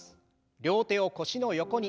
両手を腰の横に。